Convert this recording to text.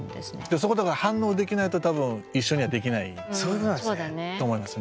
そこでだから反応できないと多分一緒にはできないと思いますね。